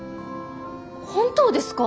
本当ですか？